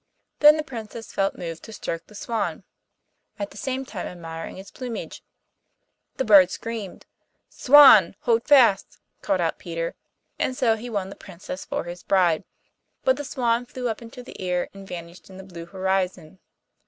Then the Princess felt moved to stroke the swan, at the same time admiring its plumage. The bird screamed. 'Swan, hold fast,' called out Peter, and so he won the Princess for his bride. But the swan flew up into the air, and vanished in the blue horizon.